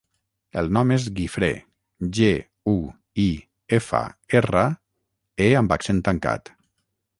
El nom és Guifré: ge, u, i, efa, erra, e amb accent tancat.